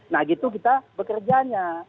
nah gitu kita bekerjanya